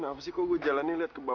aku senang aja kalau hujan